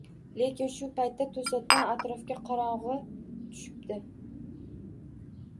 Lekin shu payt toʻsatdan atrofga qorongʻi tushibdi